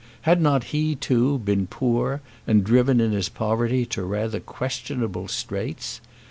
Had not he, too, been poor, and driven in his poverty to rather questionable straits?